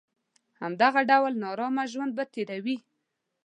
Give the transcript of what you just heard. همدغه ډول نارامه ژوند به تېروي.